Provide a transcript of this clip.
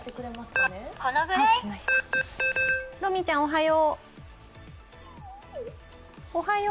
ロミィちゃん、おはよう。